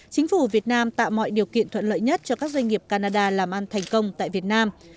chính phủ việt nam tạo mọi điều kiện thuận lợi nhất cho các doanh nghiệp canada làm ăn thành công tại việt nam